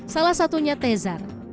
salah satunya tezar